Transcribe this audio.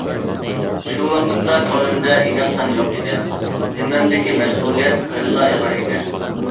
شۇ ۋاقىتتا كۆڭلۈمدە ئېنىق سان يوق ئىدى، زىممەمدىكى مەسئۇلىيەت خېلىلا ئېغىر ئىدى.